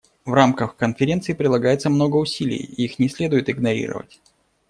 В рамках Конференции прилагается много усилий, и их не следует игнорировать.